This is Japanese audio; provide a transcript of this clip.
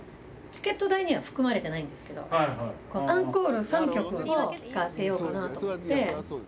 チケット代には含まれてないんですけど、アンコールの３曲、弾かせようかなと思って。